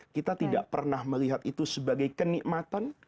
kita tidak pernah melihat itu sebagai kenikmatan